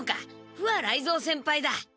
不破雷蔵先輩だ！